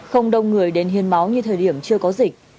không đông người đến hiến máu như thời điểm chưa có dịch